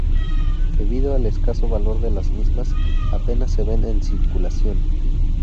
Debido al escaso valor de las mismas, apenas se ven en circulación.